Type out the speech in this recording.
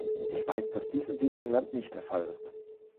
Ich weiß, dass dies in Süd-England nicht der Fall ist.